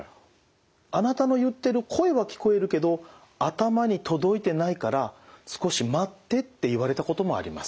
「あなたの言ってる声は聞こえるけど頭に届いてないから少し待って」って言われたこともあります。